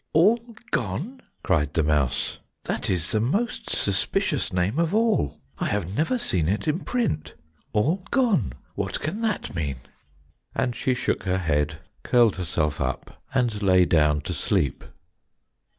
"All gone," cried the mouse, "that is the most suspicious name of all! I have never seen it in print. All gone; what can that mean?" and she shook her head, curled herself up, and lay down to sleep.